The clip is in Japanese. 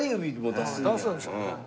出すんでしょうね。